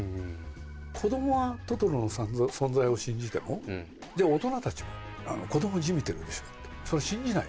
子どもはトトロの存在信じても、じゃあ、大人たちは、子どもじみてるでしょって、信じない。